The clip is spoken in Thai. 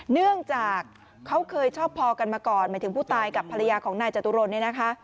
เนื่องจากเขาเคยชอบพอกันมาก่อนหมายถึงผู้ตายกับภรรยาของนายจตุรนเนี่ยนะคะ